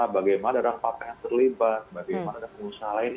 bagaimana rampa pengantar terlibat bagaimana pengusaha lain